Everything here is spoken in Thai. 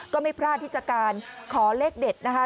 ก็ไม่พลาดที่จะการขอเลขเด็ดนะคะ